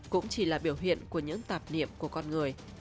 cũng chỉ là biểu hiện của những tạp niệm của con người